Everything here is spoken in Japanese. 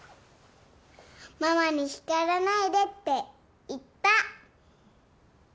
ママに「叱らないで」って言った。